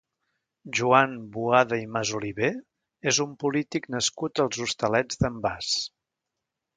Joan Boada i Masoliver és un polític nascut als Hostalets d'en Bas.